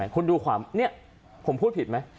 คุณดูความเนี่ยผมพูดผิดไหม